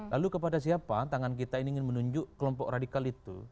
lalu kepada siapa tangan kita ini ingin menunjuk kelompok radikal itu